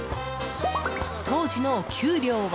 当時のお給料は。